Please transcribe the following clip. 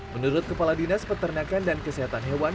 menurut kepala dinas peternakan dan kesehatan hewan